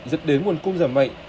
dẫn đến nguồn cung giảm mạnh